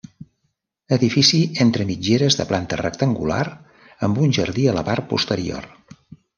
Edifici entre mitgeres de planta rectangular, amb un jardí a la part posterior.